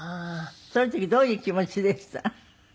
その時どういう気持ちでした？